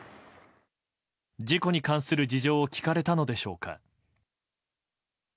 事故に関する事情を聴かれたのでしょうか。